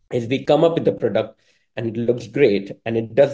ketika kita menciptakan produk dan terlihat bagus dan berfungsi